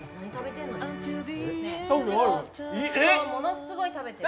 いちごものすごい食べてる。